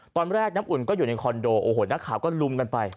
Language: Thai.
น้ำอุ่นก็อยู่ในคอนโดโอ้โหนักข่าวก็ลุมกันไป